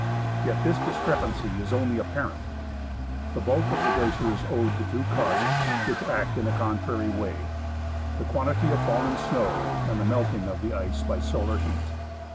Yet this discrepancy is only apparent. The bulk of a glacier is owed to two causes, which act in a contrary way : the quantity of fallen snow, and the melting of the ice by solar heat.